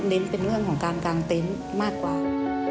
เป็นเรื่องของการกางเต็นต์มากกว่า